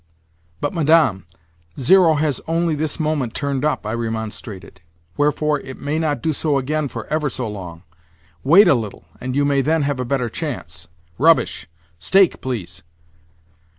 "But, Madame, zero has only this moment turned up," I remonstrated; "wherefore, it may not do so again for ever so long. Wait a little, and you may then have a better chance." "Rubbish! Stake, please."